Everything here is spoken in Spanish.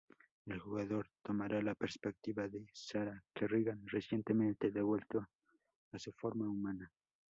El jugador tomará la perspectiva de Sarah Kerrigan, recientemente devuelta a su forma humana.